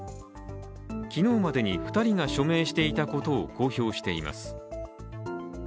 昨日までに２人が署名していたことを公表しています。